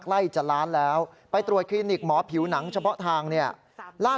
ใกล้จะล้านแล้วไปตรวจคลินิกหมอผิวหนังเฉพาะทางเนี่ยล่าสุด